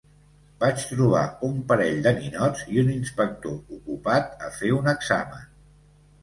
Vaig trobar un parell de ninots i un inspector ocupat a fer un examen.